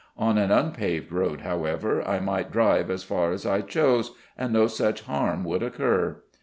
On an unpaved road, however, I might drive as far as I chose, and no such harm would occur."